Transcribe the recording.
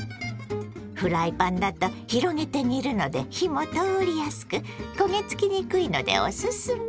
フライパンだと広げて煮るので火も通りやすく焦げ付きにくいのでオススメ。